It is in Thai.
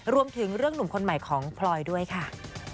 รวมถึงเรื่องหนุ่มคนใหม่ของพลอยด้วยค่ะ